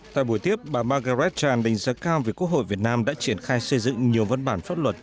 tại buổi tiếp bà margaret chan đánh giá cao việc quốc hội việt nam đã triển khai xây dựng nhiều văn bản pháp luật